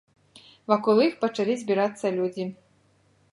Вакол іх пачалі збірацца людзі.